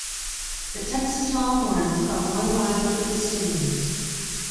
The Texas Longhorns are one rival of the Sooners.